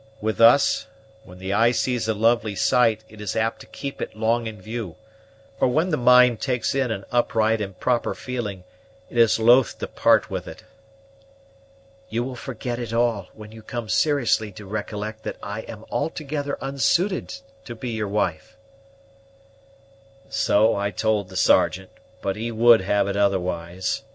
With us, when the eye sees a lovely sight, it is apt to keep it long in view, or when the mind takes in an upright and proper feeling, it is loath to part with it." "You will forget it all, when you come seriously to recollect that I am altogether unsuited to be your wife." "So I told the Sergeant; but he would have it otherwise.